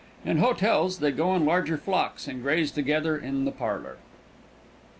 In hotels they go in larger flocks, and graze together in the parlor.